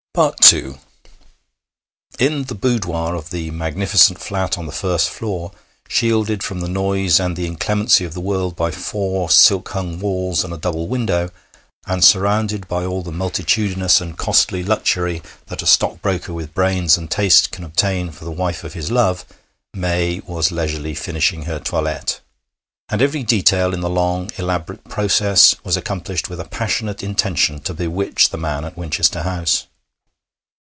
II In the boudoir of the magnificent flat on the first floor, shielded from the noise and the inclemency of the world by four silk hung walls and a double window, and surrounded by all the multitudinous and costly luxury that a stockbroker with brains and taste can obtain for the wife of his love, May was leisurely finishing her toilette. And every detail in the long, elaborate process was accomplished with a passionate intention to bewitch the man at Winchester House.